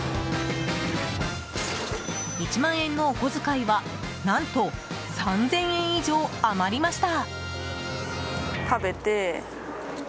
１万円のお小遣いは、何と３０００円以上余りました。